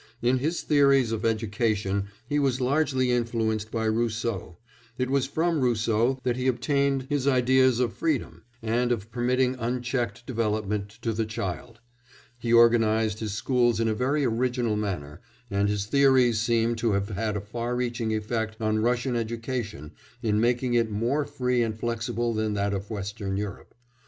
In his theories of education he was largely influenced by Rousseau; it was from Rousseau that he obtained his ideas of "freedom," and of permitting unchecked development to the child; he organised his schools in a very original manner, and his theories seem to have had a far reaching effect on Russian education in making it more free and flexible than that of Western Europe.